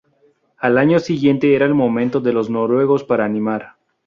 Al año siguiente era el momento de los noruegos para animar.